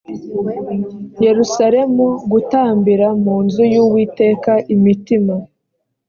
yerusalemu gutambira mu nzu y uwiteka imitima